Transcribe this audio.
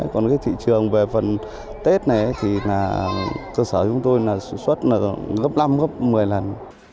còn cái thị trường về phần tết này thì là cơ sở chúng tôi là xuất gấp năm gấp một mươi lần